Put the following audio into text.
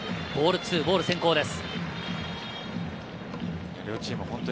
ボールが先行です。